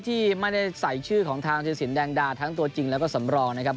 ที่ไม่ได้ใส่ชื่อของทางธีรสินแดงดาทั้งตัวจริงแล้วก็สำรองนะครับ